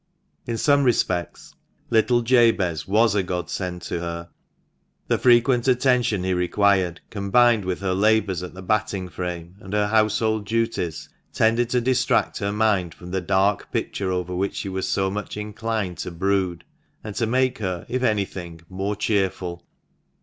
In some respects little Jabez was a Godsend to her. The frequent attention he required, combined with her labours at the batting frame and her household duties, tended to distract her mind from the dark picture over which she was so much inclined to brood, and to make her, if anything, more cheerful.